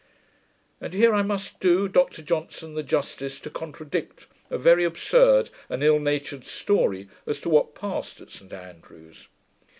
And here I must do Dr Johnson the justice to contradict a very absurd and ill natured story, as to what passed at St Andrews.